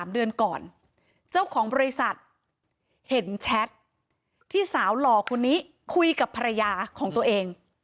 เดือนก่อนเจ้าของบริษัทเห็นแชทที่สาวหล่อคนนี้คุยกับภรรยาของตัวเอง